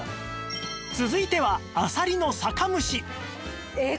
続いてはあさりの酒蒸しえっ？